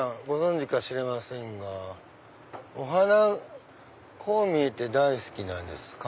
ご存じか知りませんがお花こう見えて大好きなんです。